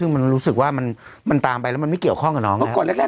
มันรู้สึกว่ามันตามไปละมันไม่เกี่ยวข้องกับแก